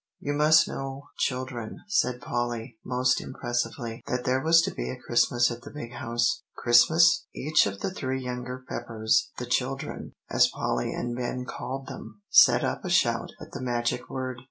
"You must know, children," said Polly, most impressively, "that there was to be a Christmas at the Big House." "Christmas!" Each of the three younger Peppers, "the children," as Polly and Ben called them, set up a shout at the magic word.